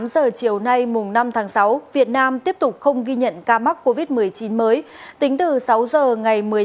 một mươi tám h chiều nay năm tháng sáu việt nam tiếp tục không ghi nhận ca mắc covid một mươi chín mới tính từ sáu h ngày một mươi sáu